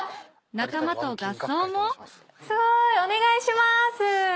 仲間と合奏もお願いします！